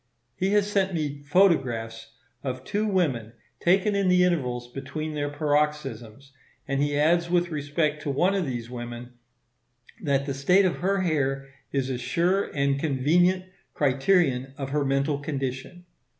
He has sent me photographs of two women, taken in the intervals between their paroxysms, and he adds with respect to one of these women, "that the state of her hair is a sure and convenient criterion of her mental condition."